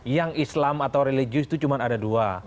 yang islam atau religius itu cuma ada dua